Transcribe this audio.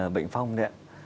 bệnh phong đấy ạ